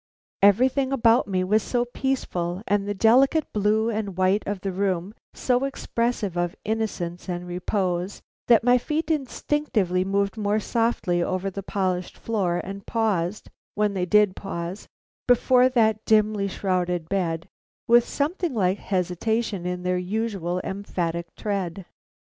Everything about me was so peaceful, and the delicate blue and white of the room so expressive of innocence and repose, that my feet instinctively moved more softly over the polished floor and paused, when they did pause, before that dimly shrouded bed, with something like hesitation in their usually emphatic tread.